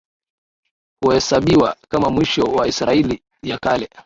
huesabiwa kama mwisho wa Israeli ya Kale